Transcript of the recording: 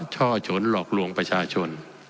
ช่อฉนหลอกลวงประชาชน